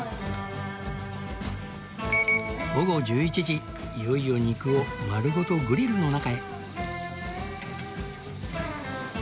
午後１１時いよいよ肉を丸ごとグリルの中へ